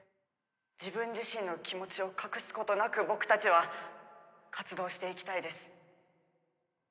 自分自身の気持ちを隠すことなく僕たちは活動していきたいです。